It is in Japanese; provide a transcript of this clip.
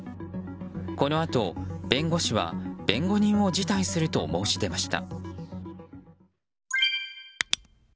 このあと弁護士は弁護人を辞退すると申し出ました。